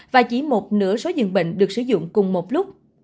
và chỉ một nửa số dường bệnh được sử dụng cùng một lúc